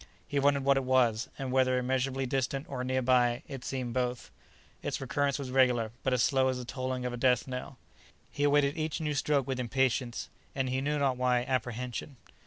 He wondered what it was, and whether immeasurably distant or near by— it seemed both. Its recurrence was regular, but as slow as the tolling of a death knell. He awaited each new stroke with impatience and—he knew not why—apprehension.